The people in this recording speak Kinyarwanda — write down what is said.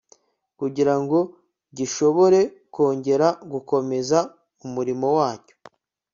kugira ngo gishobore kongera gukomeza umurimo wacyo